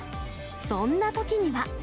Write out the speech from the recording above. そんなときには。